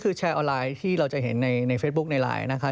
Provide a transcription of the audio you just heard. คือแชร์ออนไลน์ที่เราจะเห็นในเฟซบุ๊คในไลน์นะคะ